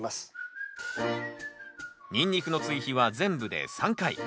ニンニクの追肥は全部で３回。